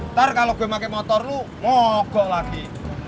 ntar kalau gue pake motor lo mogol lagi